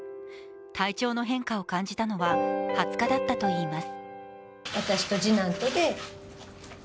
体調の変化を感じたのは、２０日だったといいます。